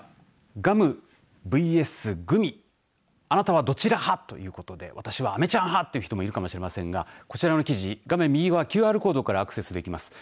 ガムＶＳグミあなたはどちら派？ということで私はあめちゃん派という人もいるかもしれませんがこちらの記事、画面右側のＱＲコードからアクセスできます。